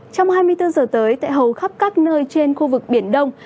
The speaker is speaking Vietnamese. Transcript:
trong hai mươi bốn giờ tới tại hầu khắp các nơi trên khu vực biển đông